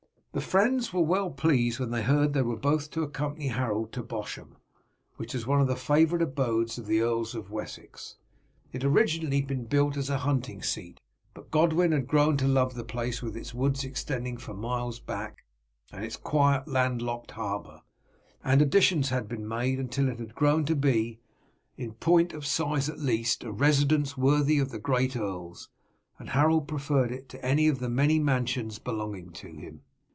The friends were well pleased when they heard they were both to accompany Harold to Bosham, which was one of the favourite abodes of the Earls of Wessex. It had originally been built as a hunting seat, but Godwin had grown to love the place, with its woods extending for miles back and its quiet landlocked harbour, and additions had been made until it had grown to be, in point of size at least, a residence worthy of the great earls, and Harold preferred it to any of the many mansions belonging to him.